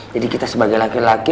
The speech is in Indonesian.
jadi kita sebagai laki laki